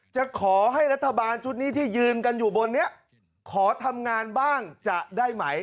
จะขอให้รัฐบาลชุดนี้ที่ยืนกันอยู่บนนี้ขอทำงานบ้างจะได้ไหม